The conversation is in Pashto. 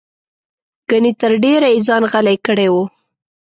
ګنې تر ډېره یې ځان غلی کړی و.